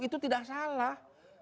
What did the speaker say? itu tidak salah